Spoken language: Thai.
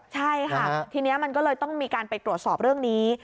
ใช่ค่ะทีนี้มันก็เลยต้องมีการไปตรวจสอบเรื่องนี้